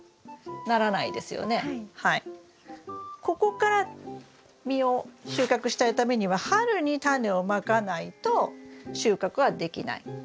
ここから実を収穫したいためには春にタネをまかないと収穫はできない。